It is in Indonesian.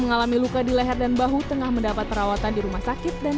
mengalami luka di leher dan bahu tengah mendapat perawatan di rumah sakit dan